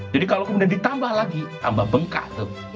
jadi kalau kemudian ditambah lagi tambah bengkak tuh